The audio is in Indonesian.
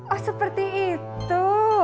oh seperti itu